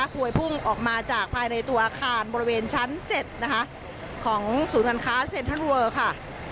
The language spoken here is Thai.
พวยพุ่งออกมาจากภายในตัวอาคารบริเวณชั้น๗นะคะของศูนย์การค้าเซ็นทรัลเวอร์ค่ะ